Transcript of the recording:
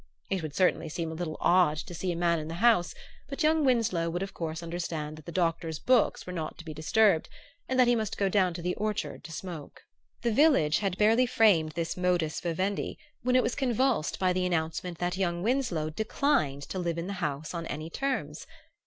It would certainly seem a little odd to see a man in the House, but young Winsloe would of course understand that the Doctor's books were not to be disturbed, and that he must go down to the orchard to smoke . The village had barely framed this modus vivendi when it was convulsed by the announcement that young Winsloe declined to live in the House on any terms.